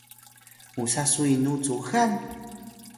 musa su inu cuxan?